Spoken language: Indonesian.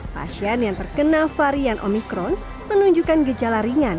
pasien yang terkena varian omikron menunjukkan gejala ringan